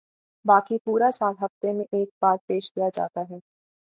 باقی پورا سال ہفتے میں ایک بار پیش کیا جاتا ہے